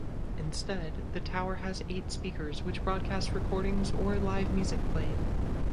Instead the tower has eight speakers which broadcast recordings or live music played.